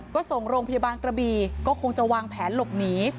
ก็ส่งโรงพยาบาลกระบีก็คงจะวางแผนหลบหนี